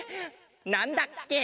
なんだっけ？